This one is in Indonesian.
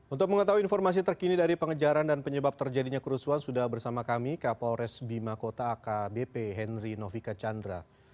untuk mengetahui informasi terkini dari pengejaran dan penyebab terjadinya kerusuhan sudah bersama kami kapolres bima kota akbp henry novika chandra